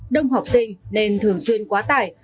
đông học sinh nên thường xuyên quá tải